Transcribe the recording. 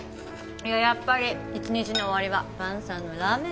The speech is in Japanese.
やっぱり一日の終わりは萬さんのラーメンだね。